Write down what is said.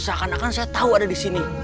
seakan akan saya tahu ada di sini